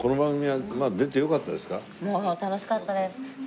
もう楽しかったです。